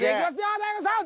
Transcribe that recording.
大悟さん。